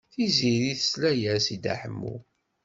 Tiziri tesla-as i Dda Ḥemmu.